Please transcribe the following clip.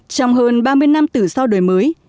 trong hơn ba mươi năm từ sau đời mới